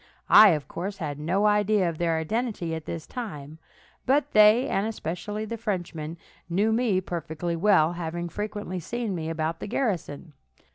I, of course, had no idea of their identity at this time; but they, and especially the Frenchman, knew me perfectly well, having frequently seen me about the garrison.